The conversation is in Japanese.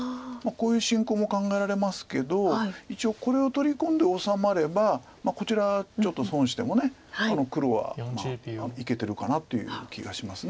こういう進行も考えられますけど一応これを取り込んで治まればこちらちょっと損しても黒はいけてるかなという気がします。